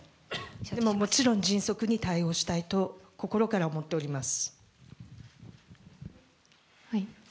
もちろん迅速に対応したいと心から思っております。